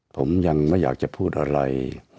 ผมยังไม่อยากจะพูดอะไร